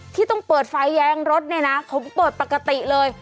ที่ต้องเปิดไฟแยงรถเนี่ยนะผมเปิดปกติเลย